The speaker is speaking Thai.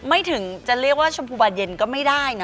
ไม่ถึงจะเรียกว่าชมพูบาเย็นก็ไม่ได้นะ